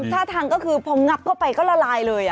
ท่าทางก็คือพองับเข้าไปก็ละลายเลย